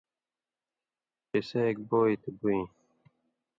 قصہ اک بو یی تے بُوئیں